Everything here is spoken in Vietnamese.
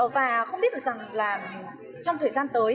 và không biết được rằng là trong thời gian tới